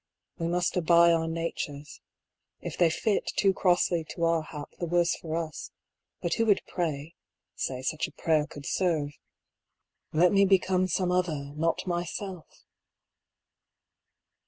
We must abye our natures; if they fit too crossly to our hap the worse for us, but who would pray (say such a prayer could serve) "Let me become some other, not myself"?